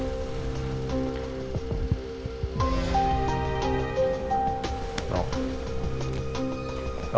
itu yang saya makin penuh